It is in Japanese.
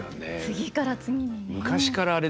次から次にね。